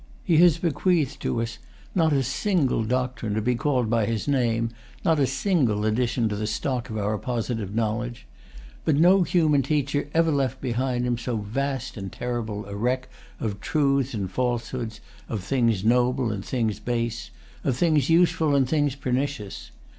He has bequeathed to us not a single doctrine to be called by his name, not a single addition to the stock of our positive knowledge. But no human teacher ever left behind him so vast and terrible a wreck of truths and falsehoods, of things noble and things base, of things useful and things pernicious.